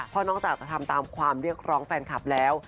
เพราะนอกจากจะทำตามความเรียกร้องแฟนคลับแล้ว